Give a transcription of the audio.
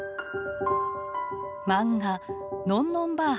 漫画「のんのんばあ」